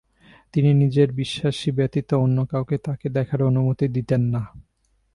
তিনি নিজের বিশ্বাসী ব্যতীত অন্য কাউকে তাঁকে দেখার অনুমতি দিতেন না।